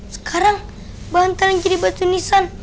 sekarang banteng jadi batu nisan